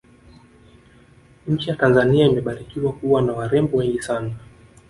nchi ya tanzania imebarikiwa kuwa na warembo wengi sana